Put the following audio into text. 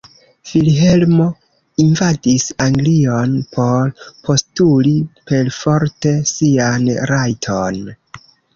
Vilhelmo invadis Anglion por postuli perforte sian "rajton".